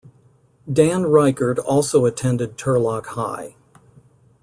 Dan Reichert also attended Turlock High.